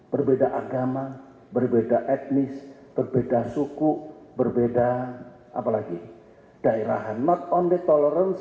berbeda agama berbeda etnis berbeda suku berbeda apalagi daerahan not on the tolerance